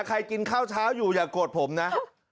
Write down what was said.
ใครกินข้าวเช้าอยู่อย่ากฏผมนะ